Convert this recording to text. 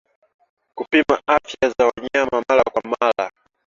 Kupima afya za wanyama mara kwa mara